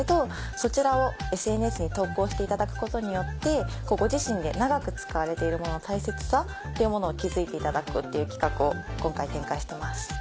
そちらをＳＮＳに投稿していただくことによってご自身で長く使われている物の大切さっていうものを気付いていただくっていう企画を今回展開してます。